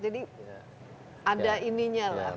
jadi ada ininya lah